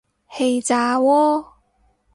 氣炸鍋